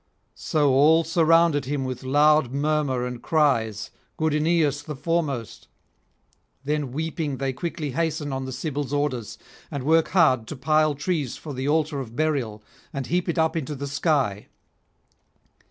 So all surrounded him with loud murmur and cries, good Aeneas the foremost. Then weeping they quickly hasten on the Sibyl's orders, and work hard to pile trees for the altar of burial, and heap it up into the sky.